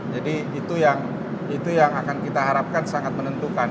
jadi itu yang akan kita harapkan sangat menentukan